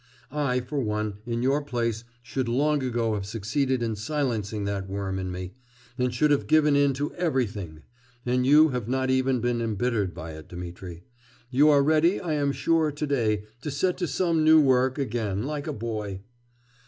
I, for one, in your place should long ago have succeeded in silencing that worm in me, and should have given in to everything; and you have not even been embittered by it, Dmitri. You are ready, I am sure, to day, to set to some new work again like a boy.